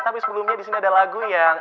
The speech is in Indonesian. tapi sebelumnya disini ada lagu yang